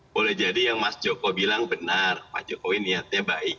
boleh jadi yang mas joko bilang benar pak jokowi niatnya baik